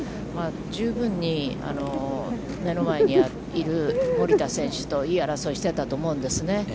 十分に目の前にいる森田選手といい争いをしていたと思うんですね。